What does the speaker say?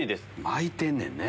巻いてんねんね。